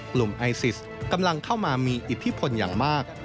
กลุ่มไอซิสกำลังเข้ามามีอิทธิพลอย่างมาก